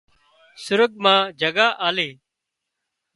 سرڳ مان جڳا آلي